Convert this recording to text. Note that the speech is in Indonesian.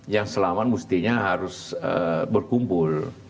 yang selamat mestinya harus berkumpul